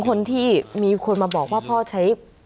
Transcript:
คนที่มีคนมาบอกว่าพ่อใช้